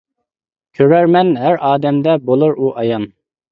كۆرەرمەن، ھەر ئادەمدە بولۇر ئۇ ئايان.